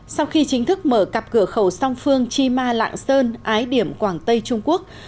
sau khi chính thức mở cặp cửa khẩu song phương chima lạng sơn ái điểm quảng tây trung quốc